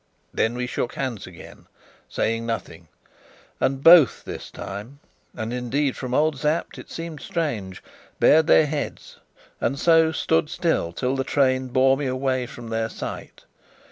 Then we shook hands again, saying nothing; and both this time and, indeed, from old Sapt it seemed strange bared their heads, and so stood still till the train bore me away from their sight.